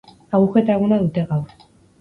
Agujeta eguna dute gaur.